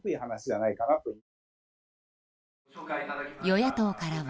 与野党からは。